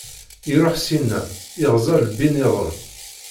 Iṛuḥ syenna, iɣza lbi- nniḍen.